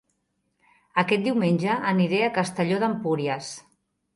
Aquest diumenge aniré a Castelló d'Empúries